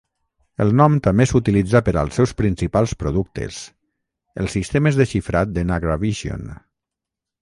El nom també s'utilitza per als seus principals productes, els sistemes de xifrat de Nagravision.